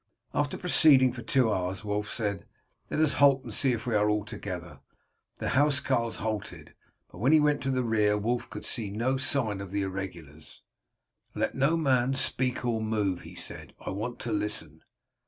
After proceeding for two hours, Wulf said, "Let us halt and see if we are all together." The housecarls halted, but when he went to the rear Wulf could see no signs of the irregulars. "Let no man speak or move," he said, "I want to listen."